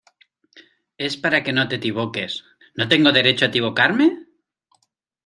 es para que no te equivoques. ¿ no tengo derecho a equivocarme?